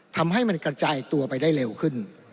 ทำให้มันกระจายตัวไปได้เร็วขึ้น